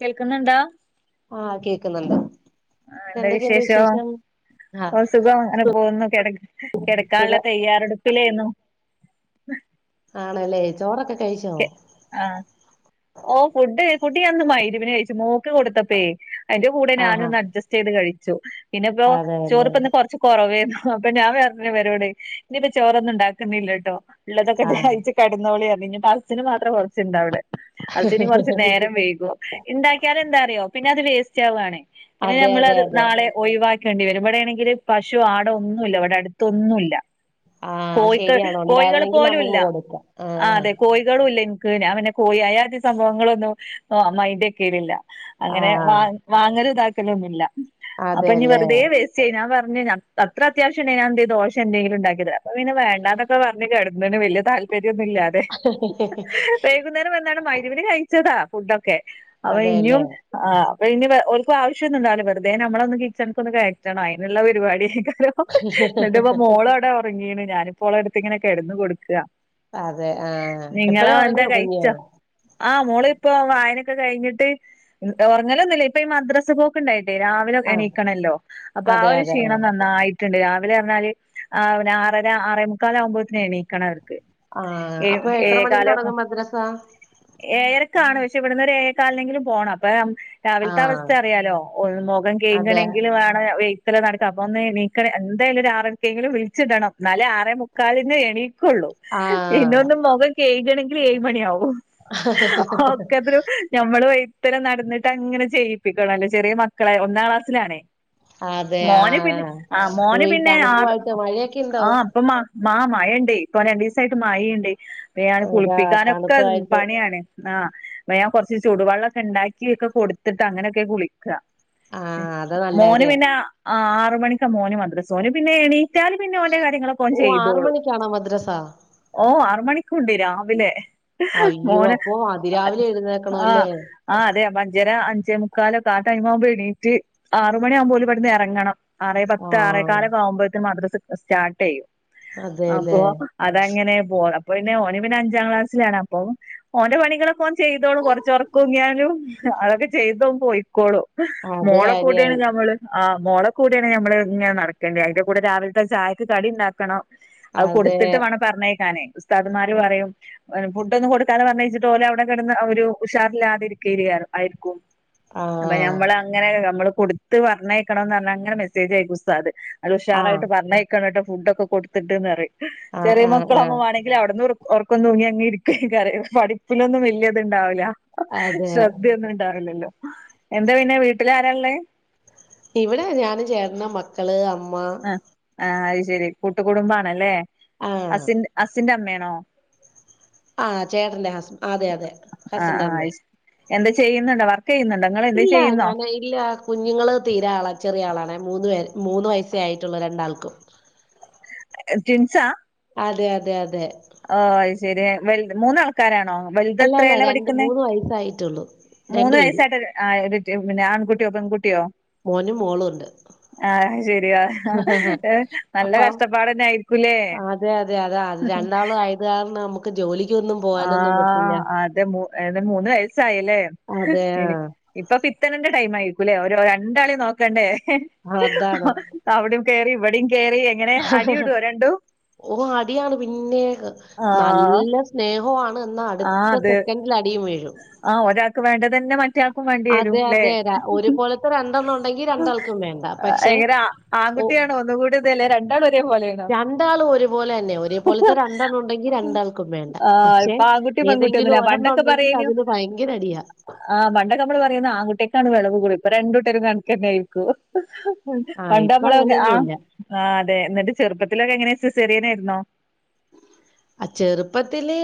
കേൾക്കുന്നുണ്ടോ ആഹ് കേക്ക്ന്നുണ്ട്. ആഹ് എന്ത വിശേഷം ആഹ് ഓ സുഖം അങ്ങനെ പോകുന്നു കെട കെടക്കാള്ള സുഖം തയ്യാറെടുപ്പിലേന്നു ആണല്ലേ ചോറൊക്കെ കഴിച്ചോ? ആഹ് ഓ ഫുഡ് ഫുഡ്‌ ഞാനിന്ന് മഗ്‌രിബിന്‌ കഴിച്ചു മോക്ക് കൊടുത്തപ്പഴെ അയ്ന്റെ കൂടെ ഞാനും ആഹാ ഒന്ന് അഡ്ജസ്റ്റ് ചെയ്ത് കഴിച്ചു. പിന്നെ ഇപ്പോ ചോറ് അതെല്ലേ പ്പന്ന് കൊർച്ച് കൊറവേന്നു അപ്പൊ ഞാൻ പർഞ്ഞ്‌ ഇവരോട് ഇനിയിപ്പ ചോറൊന്നും ഇണ്ടാക്ക്ണില്ല ട്ടോ ഇള്ളതൊക്കെ ആഹ് കഴ്ച്ച് കെടന്നോളി അർഞ്ഞ്‌. ഇഞ്ഞ്‌ പ്പൊ അസ്സ്ന് മാത്രം കൊർച്ചുണ്ട അവ്ടെ അസ്സ്ന് കൊർച്ച് നേരം വൈകും. ഇണ്ടാക്കിയാല ന്തറിയോ പിന്നെ അത് വേസ്റ്റ് ആവാണ്. പിന്നെ അതെ അതെ നമ്മളത് അതെ നാളെ ഒഴിവാക്കേണ്ടി വരും. ഇവടെ ആണെങ്കില് പശു ആടോ ഒന്നുല്ല. ഇവടെ അടുത്തൊന്നുല്ല. ആഹ് കോയിക്കൾ ശരിയാണ് കോഴികള് ഉണ്ടായിരുന്നെങ്കിൽ പോലുംല്ല നമുക്ക് കൊടുക്കാം ആ ആഹ് അതെ കോഴി കളുല്ല ഇൻക്ക് ന്നാ പിന്നെ കോഴി അയാദി സംഭവങ്ങളൊന്നും മൈന്റെക്കേന്നില്ല. അങ്ങനെ വാ ആഹ് വാങ്ങല് ഇതാക്കലൊന്നുല്ല. അപ്പൊ ഇഞ്ഞ്‌ അതെല്ലേ വെറുതെ വേ സ്റ്റ ഞാ പറഞ്ഞ് അത്ര അത്യാവശ്യണ്ടെങ്കി ഞാ എന്തെ ദോശേ എന്തെങ്കിലും ഇണ്ടാക്കി തരാം. അപ്പ പിന്നെ വേണ്ടാന്നൊക്കെ ക്കെ പർഞ്ഞ്‌ കെട്ന്ന്ണ് വല്യ താല്പര്യംന്നുല്ലാതെ [unintelligible] കുന്നേരം വന്നാണ്ട് മഗ്രിബിന് കഴിച്ചതാ ഫുഡൊക്കെ അപ്പൊ ഇനിയും അതെല്ലേ ആഹ് അപ്പ ഇനി ഓൽക്ക് ആവശ്യം ന്നും ണ്ടാവുല്ല. വെർതെ നമ്മൊളൊന്ന് കിച്ചൺക്കൊന്ന് കയറ്റണം അയ്നുള്ള പരിപാടിയേക്കാരം. ന്നിട്ട് ഇപ്പ മോള അവടെ ഒർങ്ങീണ്. ഞാനിപ്പോളട്ത്ത് ഇങ്ങനെ കെട്ന്ന് കൊടുക്ക അതെ ആഹ് എപ്പഴേ നിങ്ങളോ എന്താ ഉറങ്ങിയോ കുഞ്ഞ് കഴിച്ചോ? ആഹ് മോള് ഇപ്പ വായനൊക്കെ കഴിഞ്ഞിട്ട് ഒർങ്ങലൊന്നുല്ല. ഇപ്പൊ ഈ മദ്രസ പോക്ക് ണ്ടായിട്ടേ രാ വിലെ ആഹ് എണീക്കണല്ലോ അപ്പൊ ആ അതെ ഒരു അതെ ക്ഷീണം ആഹ് നന്നായി ട്ട്ണ്ട്. രാവിലെ അർഞ്ഞാല് ആ പിന്നെ ആറര ആറേ മുക്കാലാവ്മ്പോത്തിന് എണീക്കണം അവർക്ക് ആഹ് ഏ അപ്പൊ എത്ര മണിക്ക് ഏഴേകാലൊക്കെ തൊടങ്ങും മദ്രസ ഏഴരക്കാണ് പശേ ഇവിടന്ന് ഒരു ഏഴേ കാലിനെങ്കിലും പോണം അപ്പൊ രാവിൽത്ത ആഹ് അവസ്ഥ അറിയാല്ലോ [unintelligible] മുഖം അതെ കേഴ്കണെങ്കിൽ വേറേ [unintelligible] [unintelligible] നടക്കും അപ്പൊ ഒന്നെണീക്കണെ അ എന്തായാലും ഒരു ആറരക്കെങ്കിലും വിളിച്ചിടണം ന്നാലേ ആറേ മുക്കാലിനെണിക്കുള്ളൂ പിന്നൊന്നു ആഹ് മൊഖം കെഴ്കണെങ്കിൽ ഏഴു മണിയാകും ഒക്കത്ത്റു ഞമ്മള് വൈത്തരം നടന്നിട്ട് അങ്ങനെ ചെയ്യിപ്പിക്കണംല്ലോ ചെറിയ മക്കളെ ഒന്നാം ക്ലാസ്സിലാണേ അതെ ആ മോന് പിന്നെ ആ ഓ മോന് ഈ പിന്നെ ആറ് തണുപ്പുമായിട്ട് മഴയൊക്കെ ഉണ്ടോ ആ അപ്പമ മാ മഴെണ്ടേ ഇപ്പൊ രണ്ടിവസായിട്ട് മഴെണ്ട് പിന്നെ അതാ കുളിപ്പിക്കാനൊക്കെ തണുപ്പുമായിട്ട് പണിയാണേ ആഹ് പ്പ ഞാൻ കുറച്ച് ചൂടുവെള്ളക്കെ എണ്ടാക്കിക്കെ കൊടുത്തിട്ട് അങ്ങനെയൊക്കെ കുളി ക്ക ആ മ് അത് നല്ല മോന് കാര്യാ പിന്നെ അ ആറ് മണിക്കാ മോന് മദ്രസ ഒന്പിന്നെ എണീ [unintelligible] ല് പിന്നെ ഓന്റെ കാര്യങ്ങളൊക്കെ ഓ ആറു ഓൻചെയ്തോളൂ മണിക്കാണോ മദ്രസ ഓ ആറ് മണിക്കൂണ്ട് രാവിലെ അയ്യോ മോന് അപ്പൊ അതിരാവിലെ ആഹ് എഴുന്നേക്കണോല്ലേ ആഹ് അതേ അപ്പ അഞ്ചര അഞ്ചേ മുക്കാലോക്ക ആ ടൈമാകുമ്പോ എണീറ്റ് ആറു മണിയാവുമ്പോ ഓല് ഇവിടന്ന് എറങ്ങണം ആറേ ആ പത്ത് ആറേക്കാലക്ക ആവുമ്പോഴ്ത്തിനും മദ്രസ് സ്റ്റാർട്ടെയ്യും അപ്പൊ അതെല്ലേ അതങ്ങനെ പോണ് അപ്പൊ പിന്നെ ഓന് പിന്നെ അഞ്ചാം ക്ലാസ്സിലാണ് അപ്പൊ ഓന്റെ പണികളൊക്കെ ഓൻ ചെയ്തോളു കൊറച്ചോറക്കോങ്ങിയാലും അതൊക്കെ ചെയ്തോൻ പോയിക്കോളു അത് മോള കൂടേണ് കാര്യായി ഞമ്മള് ആഹ് മോള കൂടേണ് ഞമ്മള് ഇങ്ങനെ നടക്കേണ്ട അതിന്റെ കൂടെ രാവിൽത്തെ ചായക്ക് കടി ഇണ്ടാക്കണം അത് അതെ കൊടുത്തിട്ട് വേണം പറഞ്ഞേക്കാനേ ഉസ്താദ്ന്മാര് പറയും [unintelligible] ഫുഡ്ന്നും കൊടുക്കാതെ പറഞ്ഞയച്ചിട്ട് ഓല് അവിടെ കിടന്ന് ഒരു ഉഷാറില്ലാതിരിക്കേ [unintelligible] ആയിരിക്കും ആ അപ്പൊ ഞമ്മൾ അങ്ങനെ നമ്മള് കൊടുത്ത് പറഞ്ഞയക്കണന്ന് പറഞ്ഞാ അങ്ങനെ മെസ്സേജ് ആയക്കുസ്താദ് നല്ല ആ ഉഷാറായിട്ട് പറഞ്ഞയ്ക്കണെട്ടൊ ഫുഡ് ഒക്കെ കൊടുതിട്ട്ന്നറയും ആ ചെറിയ ആ ആ മക്കളാവും വാണെ [unintelligible] ഒർക്കം തൂങ്ങി അങ്ങെ ഇരിക്കയ്ക്കാര് പഠപ്പിലൊന്നും വല്യ ഇത്ണ്ടാവില്ല അതെ ശ്രദ്ധയൊന്നും ഇണ്ടാറില്ലല്ലോ എന്താ പിന്നെ വീട്ടില് ആരാള്ളെ ഇവിടെ ഞാന് ചേട്ടന് മക്കള് അമ്മ ആ അയ്ശെരി കൂട്ടുകുടുംബാണല്ലേ ആ അസിന്റ അസിന്റെ അമ്മേണോ ആ ചേട്ടന്റെ ഹസ് അതെ അതെ ഹസ്സിന്റെ അമ്മേ എന്ത് ചെയ്യുന്നുണ്ടോ വർക്കെയ്യുന്നുണ്ടോ ഇല്ല ഞാൻ [unintelligible] ഇല്ല കുഞ്ഞുങ്ങള് തീരെ ആള ചെറിയ ആളണ് മൂന്ന് പേര് മൂന്ന് വയസ്സേ ആയിട്ടുള്ളു രണ്ടാൾക്കും എ റ്റിൻസാ അതെ അതെ അതെ ഓ അയ്ശെരി വല്ത് മൂന്നാ ക്കാരാണോ അല്ല അല്ല വലുതെത്രയില്ലാ രണ്ട് പഠിക്കുന്നെ മൂന്ന് വയസ്സായിട്ടുള്ളൂ രണ്ടു മൂന്ന് പേരും വയസ്സായിട്ട്ഒ ആ [unintelligible] [unintelligible] പിന്നെ ആൺകുട്ടിയോ പെൺകുട്ടിയോ മോനും മോളുണ്ട് ആ ശെരിയാ ഹാഹാ എ നല്ല അപ്പം കഷ്ടപ്പാടന്നെ ആയിരിക്കുലേ അതെ അതെ അതാ അത് രണ്ടാളു ആയതു കാരണം അമ്മു ആ അതെ മൂ [unintelligible] മൂന്ന് വയസായല്ലേ അതെ എനി ഇപ്പൊ പിത്തനന്റെ ടൈം ആയിക്കുല്ലേ ഓരോ രണ്ടാളിനെ നോക്കണ്ടേ എഹേ ആഹ് അതാണ് ഹ അവ്ടേം കേറി ഇവടേം കേറി എ ഹ ഹ ഹ ഓ അടിയാണ് പിന്നേ ക് ആഹ് നല്ല സ്നേഹോവാണ് ണ്ന്ന അടുത്ത സെക്കൻഡിൽ അടിയും വീഴും ആ ഒരാക്ക് വേണ്ടതന്നെ മൻ അതെ അതെ ര ഒരുപോലത്തെ രണ്ടെണ്ണം ഒണ്ടെങ്കി രണ്ടാൾക്കും വേണ്ട പക്ഷെ എങ്ങനെ ആ- ഒ ആൺകുട്ടിയാണോ ഒന്നുകൂടി ഇതല്ലേ രണ്ടാളും ഒരേ പോലെയാണോ രണ്ടാളും ഒരുപോലെന്നെ ഒരേപോലത്തെ രണ്ടണ്ണോ ണ്ടെങ്കി രണ്ടാൾക്കും വേണ്ട ആഹ് പക്ഷെ ഇപ്പൊ ആൺകുട്ടി പെൺകുട്ടി ഏതെങ്കിലും ഒന്നുല്ല പണ്ടൊക്കെ ഒരെണ്ണോണ്ടെങ്കിൽ പറയേനു അതിന് ഭയങ്കരടിയാ ആഹ് പണ്ടൊക്കെ അമ്മള് പറയുന്ന ആൺകുട്ടിക്കാണ് വിളവ് കൂടല് ഇപ്പൊ രണ്ടൂട്ടരും കണക്ക് തന്നെ ആയിരിക്കും ആ ഇപ്പൊ പണ്ടമ്മളൊക്കെ ആ അങ്ങനെയൊന്നും ഇല്ല അതെ എന്നിട്ട് ചെറുപ്പത്തിലൊക്കെ എങ്ങനെ സിസേറിയനായിരുന്നോ ആ ചെറുപ്പത്തില്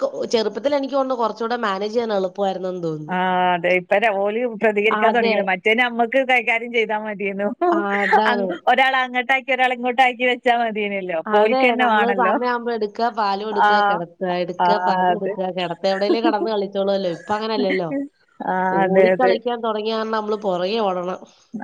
കൊ ചെറുപ്പത്തിൽ എനിക്കോണു കുറച്ചൂടെ മാനേജ് ചെയ്യാനള്ളു പോവായിരുന്നു ന്തോ ആഹ് അതെ ഇപ്പന്നെ ഓല് പ്രതികരിക്കാ അതെ തൊട്ങ്ങിലോ മറ്റേ നമ്മക്ക് കൈകാര്യം ചെയ്താ മത്യേന്നു. ആ അ അതാണ് ഒരാളങ്ങട്ടാക്കി ഒരാള് ഇങ്ങോട്ടാക്കി വെ അതെ നമ്മള് സമയാവുമ്പ എടുക്ക പാലു കൊടുക്ക ആഹ് കിടത്ത എടുക്ക ആഹ് പാലു അതെ കൊടുക്ക കെട എവിടെലും കെടന്ന് കളിച്ചോളൂല്ലോ ഇപ്പങ്ങനല്ലല്ലോ ആഹ് അതെ ഓടി അതെ കളിക്ക്യാൻ. തൊടങ്ങ്യര്ണ മ്മള് പൊറകെ ഓടണം.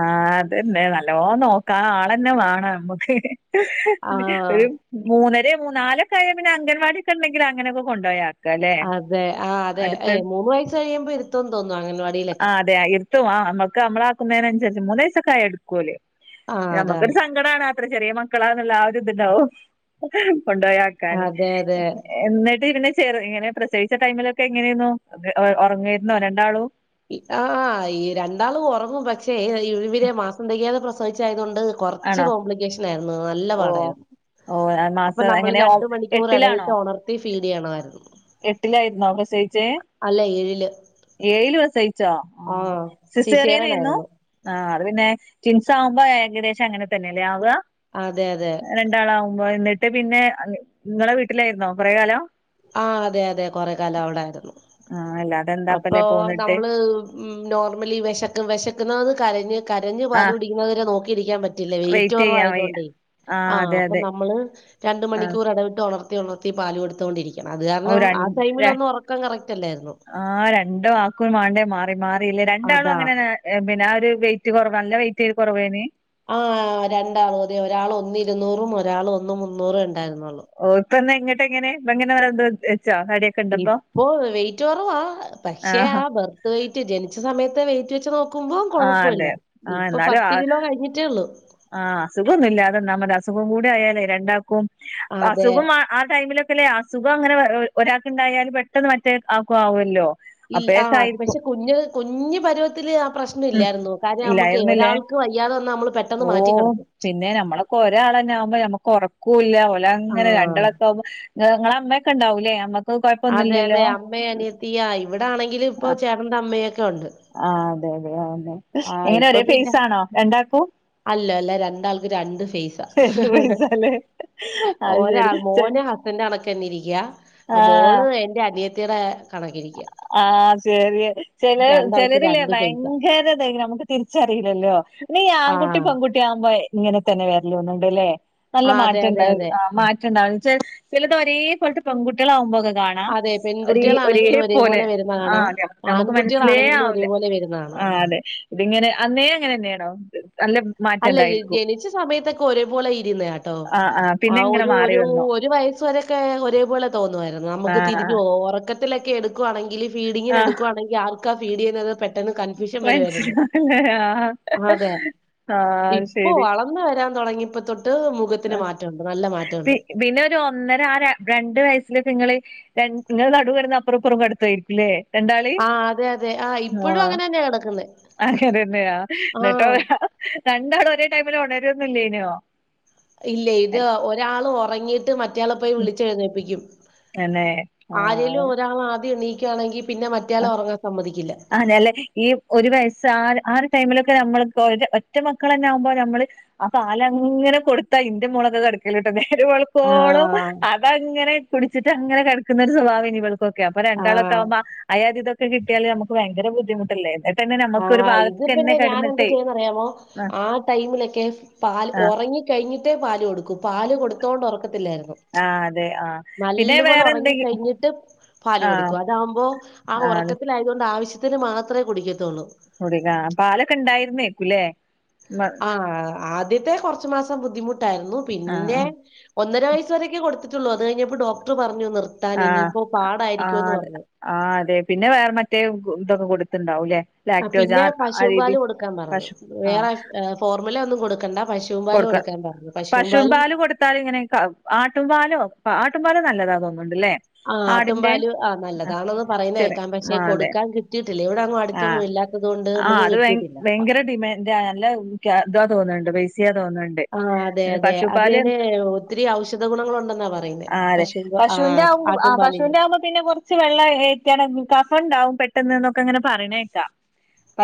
ആഹ് അതെന്നെ നല്ലോ നോക്കാ ആളെന്നെ വേണ നമ്മക്ക്. ആ ഒരു മൂന്നര മൂന്നാലൊക്കെ ആയ പിന്നെ അംഗൻവാടിക്കെണ്ടെങ്കില് അങ്ങനൊക്കെ കൊണ്ടോയാ. അതെ ആഹ് അതെ ഏ മൂന്ന് വയസ്സ് കഴിയുമ്പോ ഇരുത്തന്ന് തോന്നുന്നു അങ്ങൻവാടിയിലൊക്കെ. ആഹ് അതെ എത്തുവാ നമ്മക്ക് നമ്മളാക്കുന്നതിനൻസര്ച്ച് മൂന്നൈസൊക്കായ എടുക്കോല് ആഹ് അതാണ്. നമ്മക്കൊരു സ ങ്കടാണ് അത്ര ചെറിയ മക്കളാന്ന്ള്ള ആ ഒരുത്ണ്ടാവും കൊണ്ടോയാക്കാന്. അതെ അതെ. എന്നിട്ട്ര്ന്നെ ചെറ് ഇങ്ങനെ പ്രസവിച്ച ടൈമിലൊക്കെ എങ്ങനെന്നു എ ഒർങ്ങേര്ന്നോ രണ്ടാളു. ഇ ആഹ് ആഹ് ഈ രണ്ടാളു ഒറങ്ങും പക്ഷേ ഇഹ ഇ ഇവരെ മാസം തെകയാതെ പ്രസവിച്ചായതുകൊണ്ട് കൊർച്ച് ആണോ കോംപ്ലിക്കേഷൻ ആയിര്ന്നു നല്ല ഓ പാടായി ഓ അപ്പൊ മാസം നമ്മള് എങ്ങനെ രണ്ടു മണിക്കൂറെടവിട്ട് ഒണർത്തി ഫീഡെയ്യണമായിരുന്നു. എട്ടിലായിര്ന്നോ പ്രസവിച്ചേ ഏഴില് ഏഴില് വസയി ചൊ ആഹ് സിസേറിയൻ സിസേറിയനര്ന്നു. ആയിരുന്നു. ആഹ് അത് പിന്നെ റ്റിൻസാവുമ്പ ഏകദേശം അങ്ങനെ തന്നല്ലേ ആവ്യ. അതെ അതെ. ണ്ടാളാവുമ്മ്പൊ എന്നിട്ട് പിന്നെ ങ്ങളെ വീട്ടിലേര്ന്നോ കൊറെ കാലം. ആഹ് അതെ അതെ കൊറെ കാലം അവിടായിരുന്നു ആ അല്ലാതെ അപ്പൊ എന്താപ്പല്ലേ പോന്നിട്ട് നമ്മള് ഉം നോർമലി വെശക്ക് വെശക്കുന്നത് കരഞ്ഞ് കരഞ്ഞ് ആ പാല് പിടിക്കുന്നതു വരെ നോക്കിയിരിക്ക്യാ പറ്റ റ്റില്ല വെയിറ്റ് ചെയ്യാൻ വയ്യ കൊറവായതൊണ്ടേ ആ ആഹ് അതെ അപ്പ അതെ നമ്മള് രണ്ട് ആ മണിക്കൂർ ഇടവിട്ട് ഒണർ ത്തി ഒണർത്തി പാല് കൊടുത്തോണ്ടിരിക്കണം അത് ഓ കാരണം ആ ടൈമിലൊന്നും ഒറക്കം കറക്റ്റ് അല്ലായിരുന്നു. ആഹ് രണ്ട് മാൾക്കു മാണ്ടേ മാറി മാറിയില്ലേ രണ്ടാളും അതാ. അങ്ങനെന്നെ. ഏഹ് പിന്നെ ആ ഒരു വെയിറ്റ് കൊറവ് നല്ല വെറ്റെ കൊറവേനി. ആഹ് രണ്ടാളും അതെ ഒരാള് ഒന്ന് ഇരുന്നൂറും ഒരാള് ഒന്നും മുന്നൂറെ ണ്ടായിരുന്നുള്ളു. ഓഹ് ഇപ്പ എന്നാ ഇങ്ങട്ടെങ്ങനെ പ്പങ്ങനണ്ട്ത് വെച്ചോ തടി ഇപ്പോ വെയിറ്റ് കൊറവാ പക്ഷെ ആ ബെർത്ത് വെയിറ്റ് ജൻച്ച സമയത്ത് വെയിറ്റ് വെച്ച് നോ ക്കുമ്പൊ ആ കൊഴപ്പല്ല അതെ ആ ഇപ്പം എന്നാലും പത്ത് ആ കിലോ കഴിഞ്ഞിട്ടേ ള്ളൂ. ആഹ് അസുഖംന്നുമില്ലാതെന്നാ മതി അസുഖം കൂടെ ആയാലേ രണ്ടാക്കും അതെ അസുഖമാ ആ ടൈമിലൊക്കെല്ലേ അസുഖം ങ്ങനെ ഒരാക്ക്ണ്ടായാല് പെട്ടെന്ന് മറ്റേ ആക്കു ആവ്വല്ലോ. ഇൽ ആഹ് പക്ഷെ കുഞ്ഞ് കുഞ്ഞു പരുവത്തില് ആ പ്രശ്നം ഉം ഇല്ലായിര്ന്നു കാരണം നമ്മക്കെ ഇല്ലായിരുന്നില്ലേ ഒരാൾ ക്ക് വയ്യാതെ വന്നാ നമ്മൾ പെട്ടന്ന് ഓ മാറ്റി കെടത്തും. പിന്നെ നമ്മളൊക്കൊരാളെന്നെ ആകുമ്പ ഞമ്മക്കൊർക്കൂല്ല ഓലങ്ങനെ ആഹ് രണ്ടളൊക്കെ ആവുമ്പ. ഏഹ് ങ്ങളെ മ്മെക്കെണ്ടാവു ലേ അമ്മക്ക് കൊഴ്പ്പൊന്നുല്ലല്ലോ. ഇയ്യ ഇവ്ടാണെങ്കില് പ്പൊ ചേട്ടൻ്റെ അമ്മയൊക്കെ ഉണ്ട്. ആഹ് അതെ അതെ അതെന്നെ ആഹ് എങ്ങനെ ഇപ്പൊ ഒരേ പിന്നെ ഫേസാണോ രണ്ടാക്കൂ. അല്ല അല്ല രണ്ടാൾക്ക് രണ്ട് ഫേസാ രണ്ട് ഫേസാല്ലേ അത് ഒരാൾ ശരി മോനാ സ്ന്റെ കണക്കെന്നെ ഇരിക്ക്യ ആഹ് മോള് എന്റെ അനിയത്തിടെ കണക്കിരിക്ക്യ. ആഹ് സെരിയ ചെല ചെലരില്ലേ രണ്ട് ഫേസാ ഭയങ്കര തായ്ക്ക്ന് നമക്ക്. തിര്ച്ചറിലല്ലോ ന്നീ ആങ്കുട്ടി ആഹ് പെങ്കുട്ടി ആകുമ്പയ് ഇങ്ങനെതന്നെ വര്ലോന്ന്ണ്ട് ലേ. നല്ല ആഹ് അതെ അതെ മാറ്റണ്ടഹ് അതെ ആഹ് മാറ്റുണ്ടാവ്ണ് വെച്ചാൽ ചിലത് ഒരേ പോൽത്തെ പെൺകുട്ട്യളാവുമ്പോക്കെ കാൺ. ആഹ് അതെ ഒരേ ഒരേ പെൺകുട്ടികളാണെങ്കിലും പൊലെ ഒരേപോലെ വരുന്ന കാണാം ആഹ് ഞം ഞമക്ക് മൻസിലേ ആൺകുട്ടികളാണെങ്കിലും ആവുല ഒരേപോലെ വരുന്ന കാണാം ആഹ്. അതെ തിങ്ങനെ അന്നേ അങ്ങനെന്നേണോ നല്ല മാറ്റം അല്ല അ് ഉണ്ടായിരിക്കും ജനിച്ച സമയത്തൊക്കെ ഒരേപോലെ ഇരുന്നെയ ട്ടോ. ആഹ് പിന്നെ ആഹ് ഇങ്ങനെ ഒരു മാറി ഒരു വന്നോ ഒരു വയസ് വരെക്കെ ഒരേപോലെ തോന്നുവായ്രുന്നു നമുക്ക് ആഹ് തിരിഞ്ഞു ആഹ് ഓ ഒറക്ക ത്തിലൊക്കെ എടുക്കുവാണെങ്കില് ഫീഡിങ്ങിന് ആഹ് എടുക്കുവാണെങ്കി ആർക്കാ ഫീഡ് ചെയ്യുന്നത് പെ പെട്ടെന്ന് കൺഫ്യൂഷൻ വരുവായിരുന്നു മനസ്സിലായില്ലേ ആഹ് ആതെ. ആഹ് ഇപ്പൊ ശരി വളർന്നു വരാ തൊടങ്ങിയപ്പോ തൊട്ട് ആ മുഖത്തിന് മാറ്റമുണ്ട് നല്ല പി മാറ്റമുണ്ട്. പിന്നെ ഒരു ഒന്നര ആ രണ്ട് വയസ്സിലൊക്കെ നിങ്ങള് രണ്ടു, ഇങ്ങള് നടുവിൽക്കടന്ന് അപ്പുറം ഇപ്പുറം കിടത്തു ആയിയിരിക്കു ല്ലേ. ആഹ് അതെ അതെ ആ. ഇപ്പോഴും അങ്ങനെ തന്നെയാ കിടക്കുന്നത് അങ്ങനെന്നെയാ എന്നിട്ടോ രണ്ടാളും ഒരേ ടൈമില് ഉണരൊന്നു ഇല്ലേനോ. ഇല്ലേ ഇത് ഒരാള് ഉറങ്ങീയിട്ട് മറ്റയാളെ പോയി വിളിച്ചെഴുന്നേപ്പിക്കും. തന്നെ ആഹ് ആരെലും ഒരാള് ആദ്യം എണീക്കുകയാണെങ്കിൽ പിന്നെ മറ്റേയാളെ ആഹ് ഉറങ്ങാൻ സമ്മതിക്കില്ല അങ്ങനെയല്ലേ ഈ ഒരു വയസ്സ് ആഹ് ആഹ് ഒരു ടൈമിലൊക്കെ നമ്മൾ ഒറ്റ മക്കൾ തന്നെ ആകുമ്പോ നമ്മള് ആ പാല് അങ്ങനെ കൊടുത്താ എന്റെ മോളൊക്കെ കടക്കലോട്ടോ നേരം വെ ആ വെളുക്കുവോളം അതങ്ങനെ കുടിച്ചിട്ട് അങ്ങനെ കിടക്കുന്നൊരു സ്വഭാവെ നി ഇവൾക്ക് ഓക്കെ. അപ്പൊ ആ രണ്ടാളൊക്കെ ആവുമ്പോ ആയതിതൊക്കെ കിട്ടിയാല് നമുക്ക് ഭയങ്കര ബുദ്ധമുട്ടല്ലേ ആഹ് ഇത് പിന്നെ ഞാൻ എന്താ ചെയ്യന്നറിയാമോ ആഹ് ആ ടൈമിലൊക്കെ പാൽ ആഹ് ഉറങ്ങി കഴിഞ്ഞിട്ടേ പാല് കൊടുക്കൂ. പാല് കൊടുത്തോണ്ട് ഉറക്കത്തില്ലായിരുന്നു. ആഹ് അതെ ആഹ് പിന്നെ നല്ലപോലെ വേറെ ഉറങ്ങി എന്തെങ്കി കഴിഞ്ഞിട്ട് പാല് ആഹ് കൊടുക്കും. അതാവുമ്പോ ആ ആഹ് അതെ ഉറക്കത്തില് അതു കൊണ്ട് ആവശ്യത്തിന് മാത്രമേ കുടിക്കത്തുള്ളൂ. കുടിക്കാ. പാലൊക്കെ ഉണ്ടായിരുന്നേക്കൂല്ലേ? ആഹ് ആദ്യത്തെ കുറച്ചു മാസം ബുദ്ധിമുട്ടായിരുന്നു. പിന്നെ ആഹ് ഒന്നര വയസ് വരൊക്കെ കൊടുത്തിട്ടുള്ളൂ. അത് കഴിഞ്ഞപ്പോ ഡോക്ടർ പറഞ്ഞു നിർത്താൻ. ആഹ് ഇനിയിപ്പോ ആഹ് പാടായിരിക്കൂന്ന് അതെ പറഞ്ഞു ആഹ് അതെ പിന്നെ വേറെ മറ്റേ ഇതൊക്കെ കൊടുത്തണ്ടാവുംല്ലേ ആഹ് പിന്നെ പശു പാൽ കൊടുക്കാൻ പറഞ്ഞു ആഹ് വേറെ ഫോർമുല ഒന്നും കൊടുക്കണ്ട പശു കൊടുക്ക പശു പാല് കൊടുത്താൽ ഇങ്ങനെക്ക ആട്ടും പാലോ ആട്ടുംപാലും നല്ലതാ തോന്നുന്നുണ്ടല്ലേ ആഹ് ആട്ടും ആടിന്റെ പാല് ആഹ് ആ നല്ലതാണന്ന് ചെറിയ പറയുന്നേക്കാൻ പക്ഷെ ആഹ് അതെ കൊടുക്കാൻ കിട്ടിയിട്ടില്ലേ ഇവിടെ അടുത്തൊങ്ങും ആഹ് ഇല്ലാത്തത് കൊണ്ട് ആഹ് മ്മക്ക് അത് ഭയ കിട്ടിയട്ടല്ല ഭയങ്കര ഡിമാൻഡ് നല്ല അതാ തോന്നുന്നുണ്ട് പെയ്സിയ തോന്നുന്നുണ്ട് ആഹ് അതെ അതെ പശുപാല് അതിന് ഒത്തിരി ഔഷധ ഗുണങ്ങള ഉണ്ടെന്നാ പറയുന്നെ ആഹ് അതെ പശുപാൽ പശുവിന്റെ ആഹ് ആവുമ്പോ ആ ആട്ടും പാല്. പശുവിന്റെ ആവുമ്പോ പിന്നെ കുറച്ച് വെള്ളം ഒഴിക്കണം. കഫം ഇണ്ടാവും പെട്ടെന്ന് എന്നൊക്കെ അങ്ങനെ പറയുന്ന കേൾക്കാം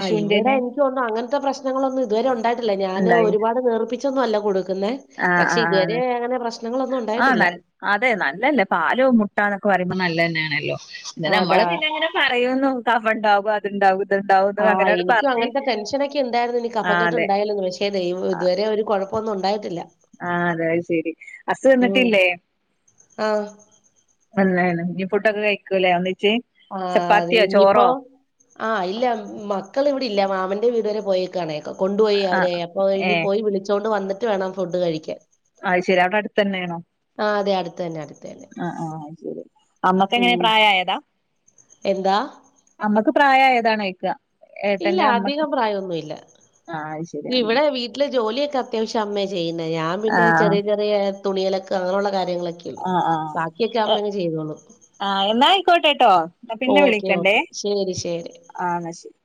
ആഹ്. ഇവിടെ എനക്ക് തോന്നുന്നേ അങ്ങനത്തെ പ്രശ്നങ്ങളൊന്നും ഇതുവരെ ഉണ്ടായിട്ടില്ല ഞാന് ഉണ്ടായി ഒരുപാട് നേർപ്പിച്ച ഒന്നും അല്ല കൊടുക്കുന്നേ ആഹ് പക്ഷെ ആഹ് ഇതുവരെ അങ്ങനെ പ്രശ്നങ്ങളൊന്നും ആഹ് ഉണ്ടായിട്ടില്ല നൽ അതെ നല്ലല്ലേ പാലും മുട്ടന്നൊക്കെ പറയുമ്പോ നല്ലതന്നെയാണല്ലോ പിന്ന അതാ നമ്മള് പിന്ന അങ്ങനെ പറയുന്നു കഫണ്ടാവ അത് ഇണ്ടാവും ഇത് ഉണ്ടാവും ആഹ് എനിക്ക് അങ്ങനത്തെ ടെൻഷനൊക്കെ ഉണ്ടായിരുന്നു ഇനി ആഹ് കഫകെട്ട് അതെ ഉണ്ടായില്ലന്ന് വെച്ച് തെ ഇതുവരെ ഒരു കുഴപ്പന്നും ഉണ്ടായിട്ടില്ല ആഹ് അതെ അത് ശെരി അസു ഉം വന്നിട്ടില്ലേ ആഹ് വന്നീന് ഇനി ഫുഡൊക്കെ കഴിക്കൂല്ലേ ഒന്ന്ച്ചേ ആഹ് അത് ഇനിയിപ്പോ ആഹ് ഇല്ല മക്കൾ ഇവിടെ ഇല്ല മാമന്റെ വീട് വരെ പോയ ക്കാണേ കൊണ്ടുപോയി ആഹ് അവരെ അപ്പൊ ഇനി ഏഹ് പോയി വിളിച്ചോണ്ട് വന്നിട്ട് വേണം ഫുഡ് കഴിക്കാൻ അയ് ശരി അവിടെ അടുത്ത തന്നെ ആണോ ആ അതെ അടുത്ത് തന്നെ അടുത്ത് തന്നെ ആഹ് ആഹ് ശരി അമ്മക്ക് എങ്ങനെ ഉം പ്രായമായതാ എന്താ അമ്മക്ക് പ്രായമായതാണ് ചോയ്ക്ക ഇല്ല അധികം പ്രായം ഒന്നും ഇല്ല ആഹ് അത് ശരി അങ്ങനെ ഇവിടെ വീ വീട്ടില് ജോലിയൊക്കെ അത്യാവശ്യം അമ്മേ ചെയ്യുന്ന ഞാൻ പിന്നെ ആഹ് ചെറിയ ചെറിയ തുണികലൊക്കെ അങ്ങനുള്ള കാര്യങ്ങളൊക്കെ ആഹ് ബാക്കിയൊക്കെ ആഹ് അമ്മേനെ ചെയ്തോള്ളു ആഹ് എന്നായിക്കോട്ടെട്ടോ ഓക്കെ ഓക്കെ ശരി ശരി ആഹ് ന്നാ ശരി